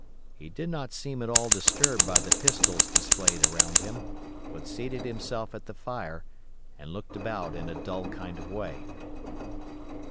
He did not seem at all disturbed by the pistols displayed around him, but seated himself at the fire and looked about in a dull kind of way.